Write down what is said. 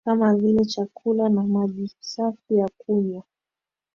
kama vile chakula na maji safi ya kunywa